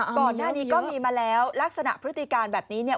ก่อนหน้านี้ก็มีมาแล้วลักษณะพฤติการแบบนี้เนี่ย